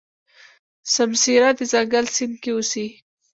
سمسيره د ځنګل سیند کې اوسي.